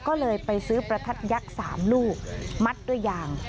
ก็เลยไปซื้อปรัทัดยักษ์๓ลูกไม่ต้องมัดอย่าง